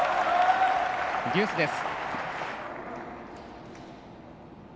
デュースです。